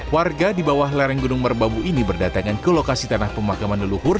warga di bawah lereng gunung merbabu ini berdatangan ke lokasi tanah pemakaman leluhur